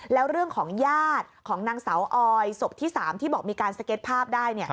แล้วเรื่องของญาติของนางเสาออยศพที่๓ที่บอกมีการสเก็ตภาพได้